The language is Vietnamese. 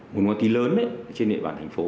một ma túy lớn trên địa bàn thành phố